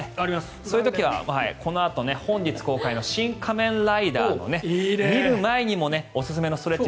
そういう時はこのあと本日公開の「シン・仮面ライダー」の見る前にもおすすめのストレッチ。